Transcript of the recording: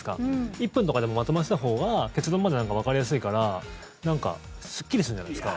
１分とかでもまとまってたほうが結論までわかりやすいからなんかすっきりするんじゃないですか。